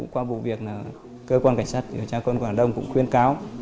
qua vụ việc cơ quan cảnh sát cháu quân quảng đông cũng khuyên cáo